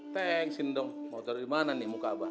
thanksin dong mau taruh dimana nih muka abah